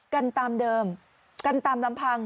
กันตามเดิมกันตามลำพัง